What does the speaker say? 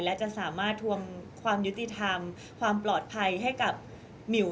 และจะสามารถทวงความยุติธรรมความปลอดภัยให้กับหมิว